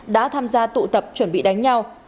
đã tham gia tụ tập chuẩn bị đánh nhau